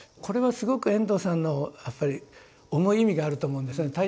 これはすごく遠藤さんのやっぱり重い意味があると思うんですね。